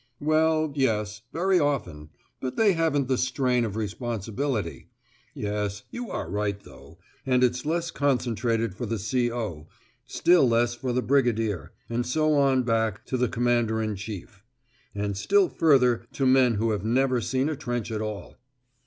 "Well, yes, very often; but they haven't the strain of responsibility. Yes, you are right though; and it's less concentrated for the C.O., still less for the Brigadier, and so on back to the Commander in Chief; and still further to men who have never seen a trench at all."